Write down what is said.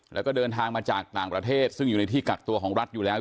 แล้วก็เดินทางมาจากต่างประเทศซึ่งอยู่ในที่กักตัวของรัฐอยู่แล้ว